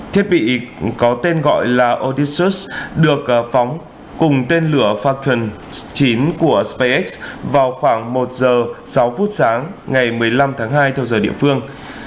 thiết bị có tên gọi là odissus được phóng cùng tên lửa falcon chín của spacex vào khoảng một giờ sáu phút sáng ngày một mươi năm tháng hai theo giờ địa phương